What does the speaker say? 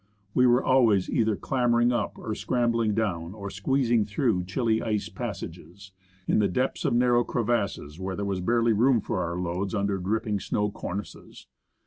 We were always either clambering up or scrambling down, or squeezing through chilly ice passages, in the depths of narrow crevasses, where there was barely room for our loads, under dripping snow cornices.